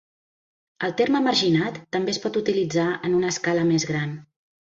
El terme "marginat" també es pot utilitzar en una escala més gran.